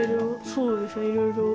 そうですねいろいろ。